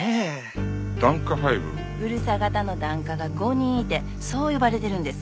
うるさ型の檀家が５人いてそう呼ばれてるんですわ。